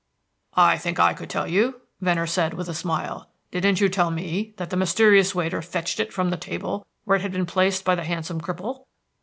"I think I could tell you," Venner said, with a smile. "Didn't you tell me that the mysterious waiter fetched it from the table where it had been placed by the handsome cripple?"